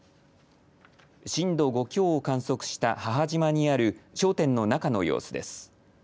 震度５強を観測した母島にある商店の中の様子です。